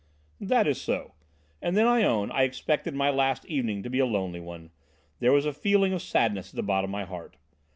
"That is so. And then I own I expected my last evening to be a lonely one, there was a feeling of sadness at the bottom of my heart.